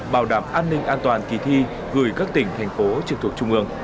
bảo đảm an ninh an toàn kỳ thi gửi các tỉnh thành phố trực thuộc trung ương